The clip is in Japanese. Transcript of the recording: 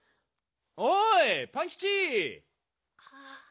おいパンキチ！